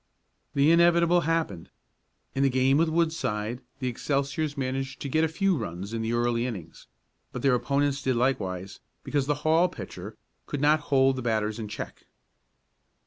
The inevitable happened. In the game with Woodside the Excelsiors managed to get a few runs in the early innings, but their opponents did likewise, because the Hall pitcher could not hold the batters in check.